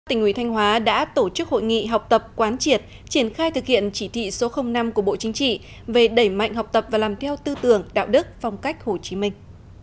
tỉnh ủy thanh hóa đã tổ chức hội nghị học tập quán triệt triển khai thực hiện chỉ thị số năm của bộ chính trị về đẩy mạnh học tập và làm theo tư tưởng đạo đức phong cách hồ chí minh